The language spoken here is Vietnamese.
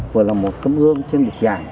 vừa là một tấm gương trên một dạng